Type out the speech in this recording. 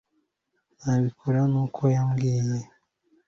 nabikoze nk'uko yambwiye